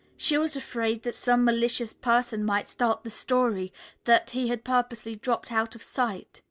She was afraid that some malicious person might start the story that he had purposely dropped out of sight.